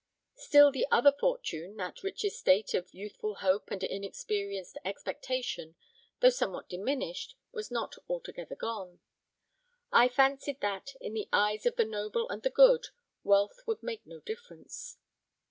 Still the other fortune, that rich estate of youthful hope and inexperienced expectation, though somewhat diminished, was not altogether gone. I fancied that, in the eyes of the noble and the good, wealth would make no difference.